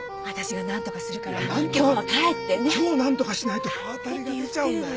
今日何とかしないと不渡りが出ちゃうんだよ。